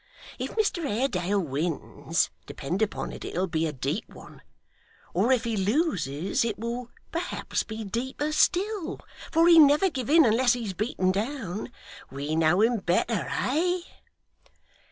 If Mr Haredale wins, depend upon it, it'll be a deep one; or if he loses, it will perhaps be deeper still, for he'll never give in unless he's beaten down. We know him better, eh?